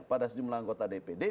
pada sejumlah anggota ini